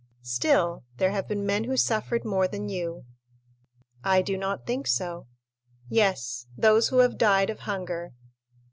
"Still, there have been men who suffered more than you." "I do not think so." "Yes; those who have died of hunger."